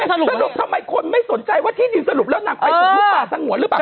สรุปทำไมคนไม่สนใจว่าที่ดินสรุปแล้วนางไปบุกลุกป่าสงวนหรือเปล่า